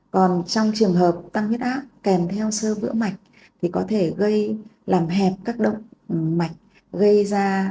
còn trong trường hợp tăng huyết áp kèm theo sơ vữa mạch thì có thể gây làm hẹp các động mạch gây ra